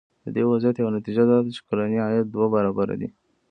د دې وضعیت یوه نتیجه دا ده چې کلنی عاید دوه برابره دی.